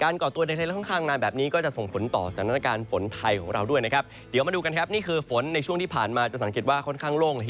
ร่วมมีการก่อตัวกลุ่มฝนแล้วนะครับ